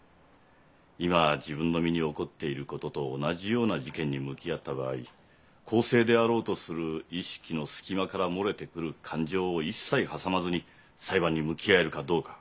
今自分の身に起こっていることと同じような事件に向き合った場合公正であろうとする意識の隙間から漏れてくる感情を一切挟まずに裁判に向き合えるかどうか。